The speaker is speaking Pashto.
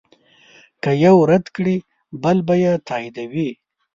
که یو رد کړې بل به یې تاییدوي.